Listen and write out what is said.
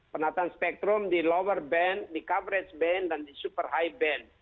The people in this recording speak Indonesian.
penataan spektrum di lower band di coverage band dan di super high band